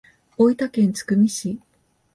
大分県津久見市